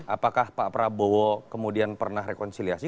apakah pak prabowo kemudian pernah rekonsiliasi